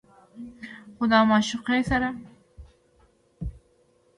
خو د معشوقې سره